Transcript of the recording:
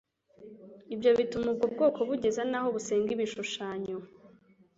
ibyo bituma ubwo bwoko bugeza naho busenga ibishushanyo.